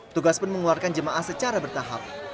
tugas pun mengeluarkan jemaah secara bertahap